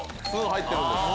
入ってるんです。